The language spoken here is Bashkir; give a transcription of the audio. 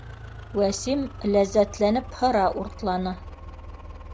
— Вәсим ләззәтләнеп һыра уртла, ны